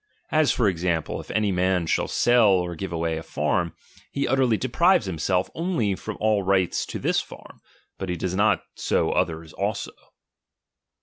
As for example, if any man shall sell or give away a farm, he utterly deprives him self only from all right to this farm ; but he does not so others also.